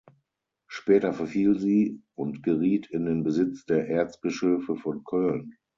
Später verfiel sie und geriet in den Besitz der Erzbischöfe von Köln.